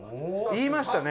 言いましたね？